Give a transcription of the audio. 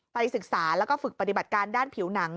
ศึกษาแล้วก็ฝึกปฏิบัติการด้านผิวหนัง